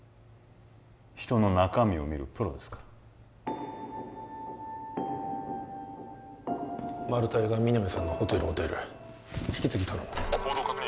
人の中身を見るプロですからマルタイが皆実さんのホテルを出る引き継ぎ頼む行動確認